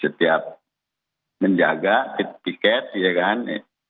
setiap menjaga tiket ya kan